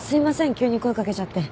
急に声かけちゃって。